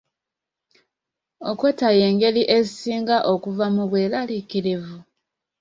Okwetta y'engeri esinga okuva mu bweraliikirivu?